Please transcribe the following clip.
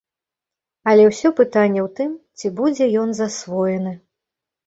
Але ўсё пытанне ў тым, ці будзе ён засвоены.